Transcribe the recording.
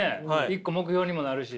一個目標にもなるし。